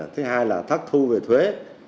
thứ hai là thất thu về thuế